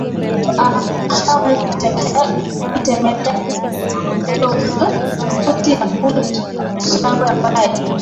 a umeshawahi kutembelea tovuti ya full shangwe ambayo